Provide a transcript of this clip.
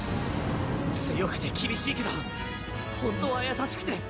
強くて厳しいけど本当は優しくて。